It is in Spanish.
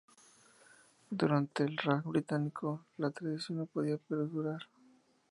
Durante el Raj británico, la tradición no podía perdurar.